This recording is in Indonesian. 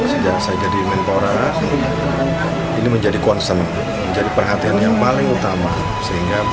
sejak saya jadi mentora ini menjadi concern menjadi perhatian yang paling utama